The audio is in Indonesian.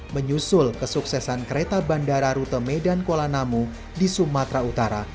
menyusul kesuksesan kereta bandara rute medan kuala namu di sumatera utara